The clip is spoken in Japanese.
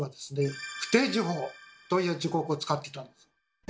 「不定時法」という時刻を使っていたんです。